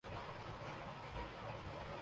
ٹیمیں تشکیل دے دیں